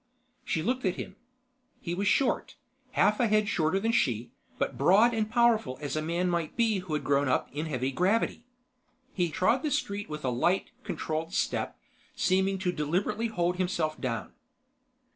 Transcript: She looked at him. He was short, half a head shorter than she, but broad and powerful as a man might be who had grown up in heavy gravity. He trod the street with a light, controlled step, seeming to deliberately hold himself down.